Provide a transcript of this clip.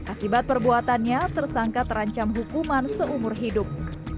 akibat perbuatannya tersangka terancam hukuman seumur hidup